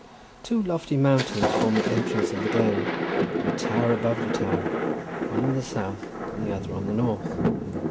Two lofty mountains form the entrance of the glen, and tower above the town, one on the south and the other on the north.